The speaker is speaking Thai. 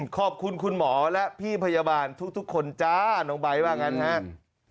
ขอบคุณคุณหมอและพี่พยาบาลทุกคนจ้าน้องไบท์ว่างั้นครับ